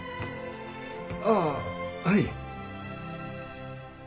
ああはい。